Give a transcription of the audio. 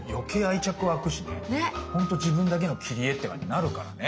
ほんと自分だけの切り絵って感じになるからね。